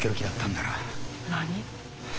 何？